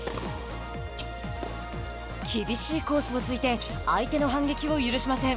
厳しいコースを突いて相手の反撃を許しません。